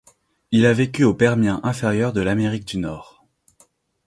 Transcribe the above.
Il a vécu au Permien inférieur de l'Amérique du Nord.